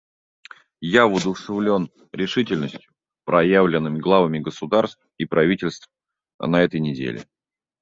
Я воодушевлен решительностью, проявленной главами государств и правительств на этой неделе.